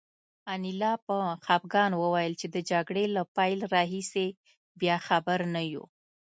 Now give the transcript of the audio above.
انیلا په خپګان وویل چې د جګړې له پیل راهیسې بیا خبر نه یو